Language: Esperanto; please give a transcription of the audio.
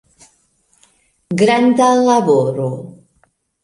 Granda laboro.